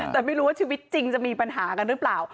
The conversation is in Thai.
แต่ไม่รู้ว่าชีวิตจริงจะมีปัญหากันหรือเปล่า